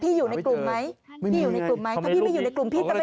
พี่อยู่ในกลุ่มไหมถ้าพี่ไม่อยู่ในกลุ่มพี่ก็ไม่ได้ยิน